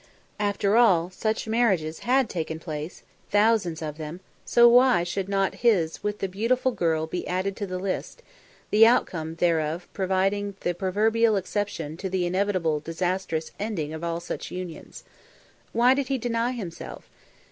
After all, such marriages had taken place, thousands of them, so why should not his with the beautiful girl be added to the list, the outcome thereof proving the proverbial exception to the inevitable disastrous ending of all such unions? Why did he deny himself?